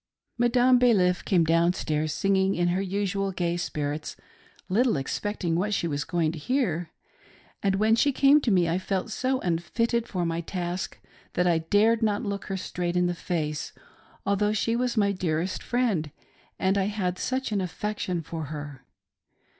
Madame Baliff came down stairs singing, in her usual gay spirits, little expecting what she was going to hear ; and when she came to me I felt so unfitted for my task that I dared not look her straight in the face, although she was my dearest friend and I had such an affection for her.